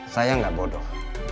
saya gak bodoh